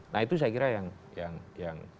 nah itu saya kira yang yang yang